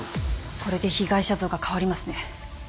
これで被害者像が変わりますね。